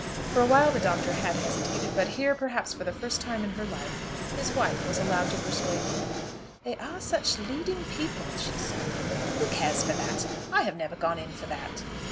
For a while the Doctor had hesitated; but here, perhaps for the first time in her life, his wife was allowed to persuade him. "They are such leading people," she said. "Who cares for that? I have never gone in for that."